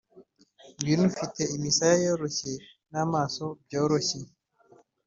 ngwino ufite imisaya yoroshye n'amaso byoroshye